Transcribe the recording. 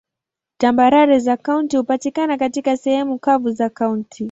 Tambarare za kaunti hupatikana katika sehemu kavu za kaunti.